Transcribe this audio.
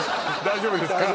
大丈夫ですか？